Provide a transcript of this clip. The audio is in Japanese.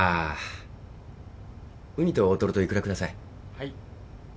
はい。